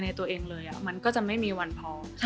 ตัวเองเลยมันก็จะไม่มีวันพอ